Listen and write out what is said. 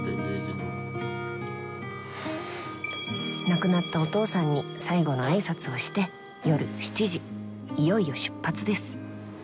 亡くなったお父さんに最後の挨拶をして夜７時いよいよ出発です。